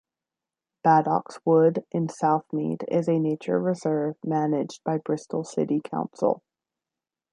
Badock's Wood in Southmead is a nature reserve managed by Bristol City Council.